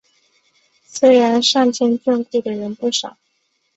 虽然上天眷顾的人不少